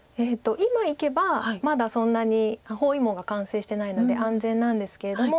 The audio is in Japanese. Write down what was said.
今いけばまだそんなに包囲網が完成してないので安全なんですけれども。